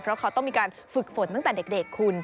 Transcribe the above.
เพราะเขาต้องมีการฝึกฝนตั้งแต่เด็กคุณ